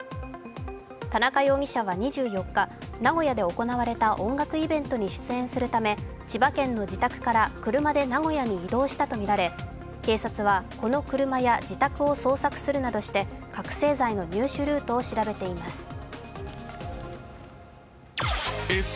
田中容疑者は２４日、名古屋で行われた音楽イベントに出演するため千葉県の自宅から車で名古屋に移動したとみられ、警察はこの車や自宅を捜索するなどして覚醒剤の入手ルートを調べています。